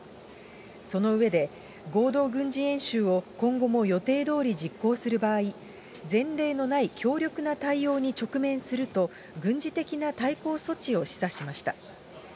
その上で、合同軍事演習を今後も予定どおり実行する場合、前例のない強力な対応に直面すると、軍事的な対抗措置を示唆しました。